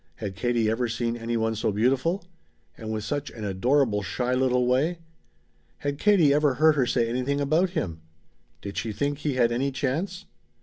Had Katie ever seen any one so beautiful? And with such an adorable shy little way? Had Katie ever heard her say anything about him? Did she think he had any chance?